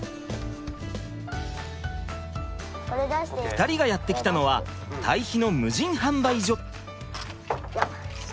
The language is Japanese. ２人がやって来たのは堆肥の無人販売所。